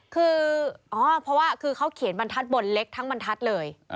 คืออ๋อเพราะว่าคือเขาเขียนบรรทัศนบนเล็กทั้งบรรทัศน์เลย